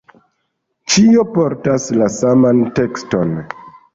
Ĉiu portas la saman tekston.